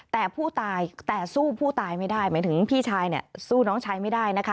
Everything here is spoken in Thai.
แต่ผู้ตายแต่สู้ผู้ตายไม่ได้หมายถึงพี่ชายเนี่ยสู้น้องชายไม่ได้นะคะ